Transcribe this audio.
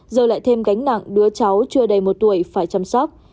giờ lại thêm gánh nặng đứa cháu chưa đầy một tuổi phải chăm sóc